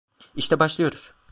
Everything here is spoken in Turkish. İşte başlıyoruz.